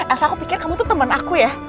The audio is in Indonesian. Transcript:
asal aku pikir kamu tuh temen aku ya